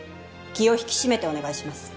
気を引き締めてお願いします。